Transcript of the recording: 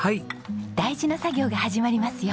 大事な作業が始まりますよ。